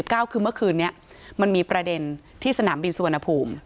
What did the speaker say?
คือเมื่อคืนนี้มันมีประเด็นที่สนามบินสุวรรณภูมิ